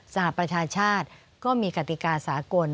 หประชาชาติก็มีกติกาสากล